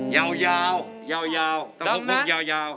ยาวต้องคบคบยาว